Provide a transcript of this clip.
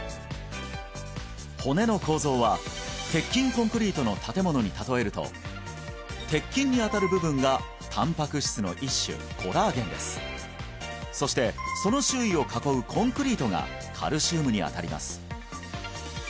骨の構造は鉄筋コンクリートの建物に例えると鉄筋にあたる部分がたんぱく質の一種コラーゲンですそしてその周囲を囲うコンクリートがカルシウムにあたります